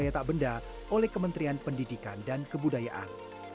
kain budaya tak benda oleh kementerian pendidikan dan kebudayaan